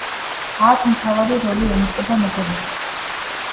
აქ მთავარი როლი ენიჭება მოგონებებს.